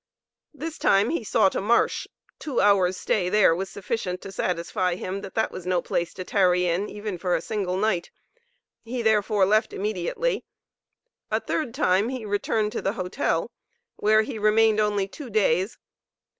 This time he sought a marsh; two hours' stay there was sufficient to satisfy him, that that too was no place to tarry in, even for a single night. He, therefore, left immediately. A third time, he returned to the hotel, where he remained only two days.